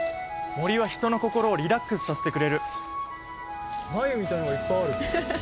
森はヒトの心をリラックスさせてくれる繭みたいのがいっぱいある！